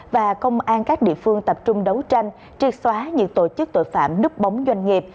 và công an các địa phương tập trung đấu tranh triệt xóa những tổ chức tội phạm núp bóng doanh nghiệp